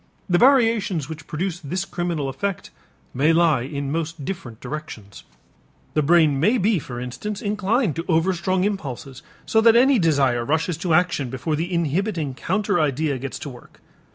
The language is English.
The variations which produce this criminal effect may lie in most different directions. The brain may be for instance inclined to overstrong impulses, so that any desire rushes to action before the inhibiting counter idea gets to work.